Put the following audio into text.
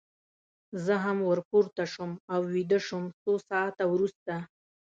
زه هم ور پورته شوم او ویده شوم، څو ساعته وروسته.